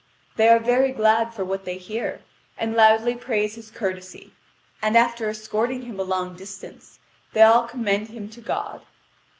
They are very glad for what they hear, and loudly praise his courtesy, and after escorting him a long distance, they all commend him to God.